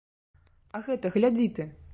А гэта, глядзі ты!